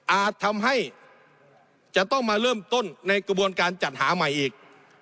อาจทำให้จะต้องมาเริ่มต้นในกระบวนการจัดหาใหม่อีก